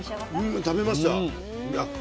うん食べました。